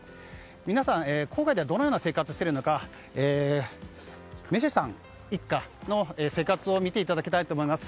皆さん、郊外でどのような生活をしているのかメシェさん一家の生活を見せていただきたいと思います。